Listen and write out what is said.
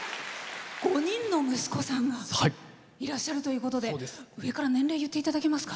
５人の息子さんがいらっしゃるということで年齢言っていただけますか。